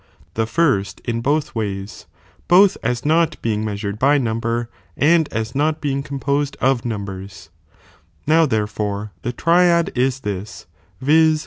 the first in both ways, both as not being mea aieiy. "" sured by number and aa not being composed of thin^t" hi' numbers.^ Now therefore the triad is this, viz.